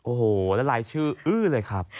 โอ้โหแล้วรายชื่ออื้อเลยครับ